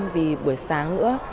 vì buổi sáng nữa